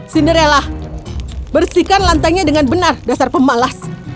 cinderella bersihkan lantainya dengan benar dasar pemalas